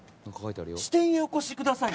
「支店へお越し下さい。